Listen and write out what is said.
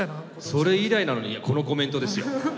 それ以来なのにこのコメントですよ。